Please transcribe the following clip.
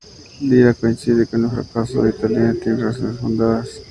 Lira coincide en que el fracaso del italiano tiene razones fundadas.